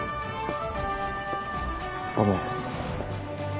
ごめん。